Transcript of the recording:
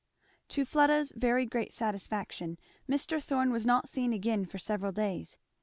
To Fleda's very great satisfaction Mr. Thorn was not seen again for several days.